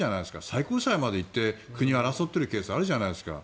最高裁まで行って国が争っているケースあるじゃないですか。